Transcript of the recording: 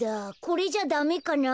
これじゃダメかな？